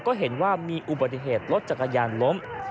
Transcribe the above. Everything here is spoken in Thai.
ก็เห็นว่ามีอุบัติเหตุรถจักรยานล้ม